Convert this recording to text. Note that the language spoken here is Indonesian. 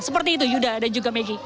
seperti itu yuda dan juga maggie